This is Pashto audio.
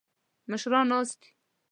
مشران ناست دي.